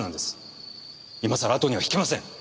今更あとには引けません。